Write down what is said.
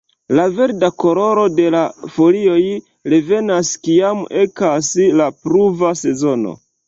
La verda koloro de la folioj revenas kiam ekas la pluva sezono.